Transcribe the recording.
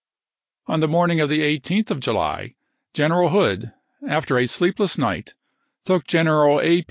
On the morning of the 18th of July, General lse*. Hood, after a sleepless night, took General A.